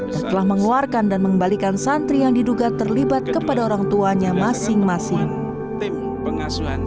yang telah mengeluarkan dan mengembalikan santri yang diduga terlibat kepada orang tuanya masing masing